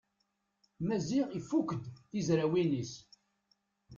Maziɣ ifukk-d tizrawin-is.